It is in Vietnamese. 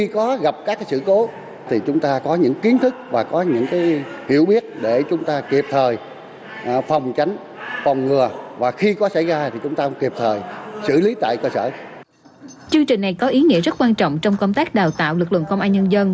chương trình này có ý nghĩa rất quan trọng trong công tác đào tạo lực lượng công an nhân dân